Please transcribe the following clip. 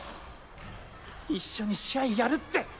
一緒に試合やるって！